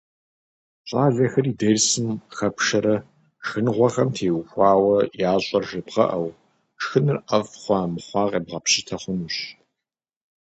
Щӏалэхэри дерсым къыхэпшэрэ шхыныгъуэхэм теухуауэ ящӏэр жебгъэӏэу, шхыныр ӏэфӏ хъуа-мыхъуа къебгъэпщытэ хъунущ.